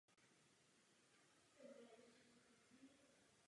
Situace myanmarského národa je toho současným příkladem.